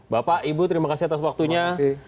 bapak ibu terima kasih atas waktunya